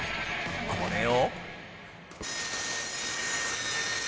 これを。